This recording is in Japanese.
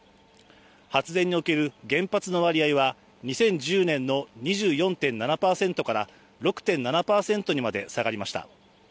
発電における原発の割合は２０１０年の２４．７％から６．７％にまで下がりました。